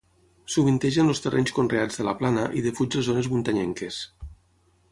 Sovinteja en els terrenys conreats de la plana i defuig les zones muntanyenques.